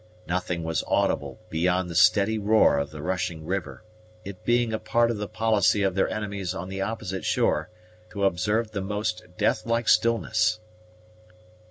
Nothing was audible beyond the steady roar of the rushing river; it being a part of the policy of their enemies on the opposite shore to observe the most deathlike stillness.